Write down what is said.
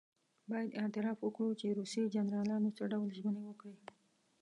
باید اعتراف وکړو چې روسي جنرالانو څه ډول ژمنې وکړې.